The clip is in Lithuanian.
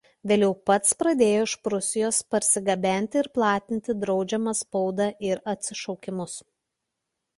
Vėliau pats pradėjo iš Prūsijos parsigabenti ir platinti draudžiamą spaudą ir atsišaukimus.